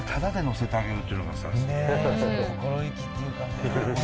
その心意気っていうかね